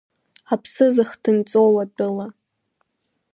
Аԥсы зыхҭынҵоу атәыла.